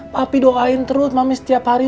papi doain terus mami setiap hari